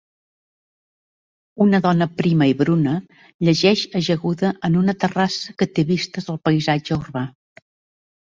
Una dona prima i bruna llegeix ajaguda en una terrassa que té vistes al paisatge urbà